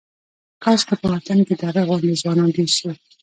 کاشکې په وطن کې د هغه غوندې ځوانان ډېر شي.